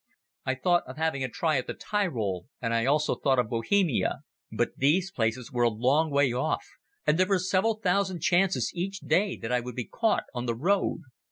I thought of having a try at the Tyrol and I also thought of Bohemia. But these places were a long way off, and there were several thousand chances each day that I would be caught on the road.